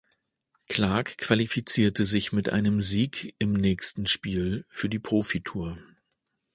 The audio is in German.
Clark qualifizierte sich mit einem Sieg im nächsten Spiel für die Profitour.